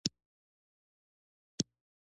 که مات سي که توی سي، کار نه په لرم.